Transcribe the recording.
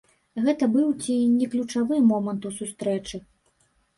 Гэта быў ці не ключавы момант у сустрэчы.